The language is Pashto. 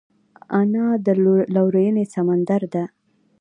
انا د لورینې سمندر ده